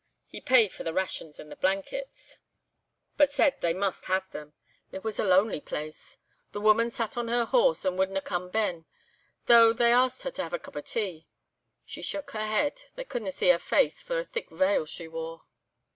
He paid for the rations and the blankets, but said they must have them. It was a lonely place. The woman sat on her horse, and wadna come ben, though they asked her to have a cup of tea. She shook her head; they couldna see her face for a thick veil she wore.